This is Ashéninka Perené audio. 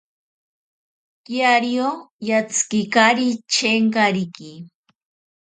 Kiario yatsikikari chenkariki.